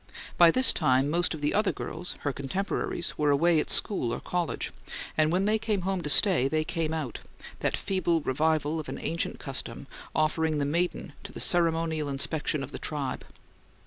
By this time most of "the other girls," her contemporaries, were away at school or college, and when they came home to stay, they "came out" that feeble revival of an ancient custom offering the maiden to the ceremonial inspection of the tribe.